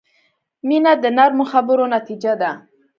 • مینه د نرمو خبرو نتیجه ده.